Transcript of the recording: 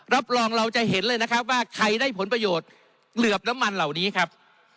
รับรองเราจะเห็นเลยนะครับว่าใครได้ผลประโยชน์เหลือบน้ำมันเหล่านี้ครับ